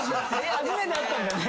初めて会ったんだよね。